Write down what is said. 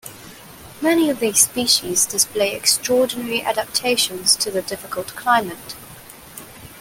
Many of these species display extraordinary adaptations to the difficult climate.